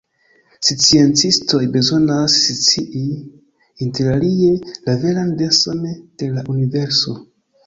Sciencistoj bezonas scii, interalie, la veran denson de la universo.